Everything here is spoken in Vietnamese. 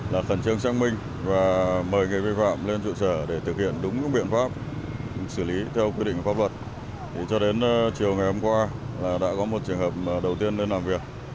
đã có một trường hợp đầu tiên lên làm việc